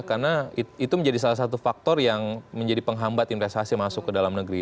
karena itu menjadi salah satu faktor yang menjadi penghambat investasi masuk ke dalam negeri